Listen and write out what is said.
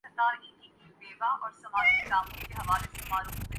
جناح صاحب روشن خیال انسان تھے۔